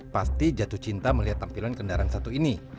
pasti jatuh cinta melihat tampilan kendaraan satu ini